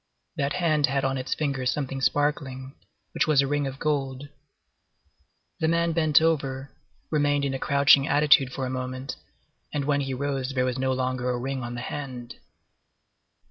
That hand had on its finger something sparkling, which was a ring of gold. The man bent over, remained in a crouching attitude for a moment, and when he rose there was no longer a ring on the hand.